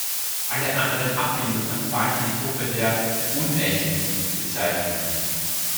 Alle anderen Abbildungen fallen in die Gruppe der "unechten" bez.